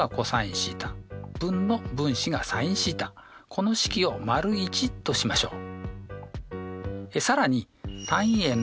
この式を①としましょう。